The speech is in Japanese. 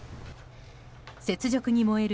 雪辱に燃える